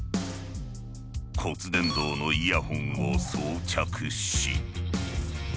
骨伝導のイヤホンを装着し。